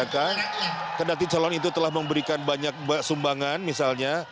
karena ti calon itu telah memberikan banyak sumbangan misalnya